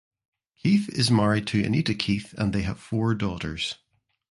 Keith is married to Anita Keith and they have four daughters.